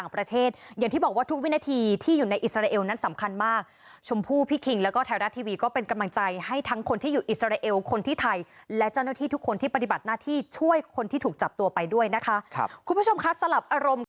เพื่อเตรียมตัวไว้ก่อนนะครับ